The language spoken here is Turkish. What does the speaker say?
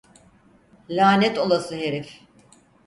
Lanet olası herif!